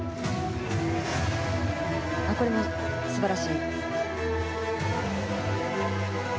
これも素晴らしい。